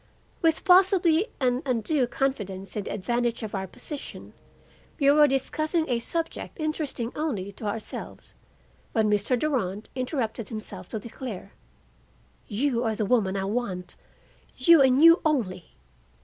With possibly an undue confidence in the advantage of our position, we were discussing a subject interesting only to ourselves, when Mr. Durand interrupted himself to declare: "You are the woman I want, you and you only.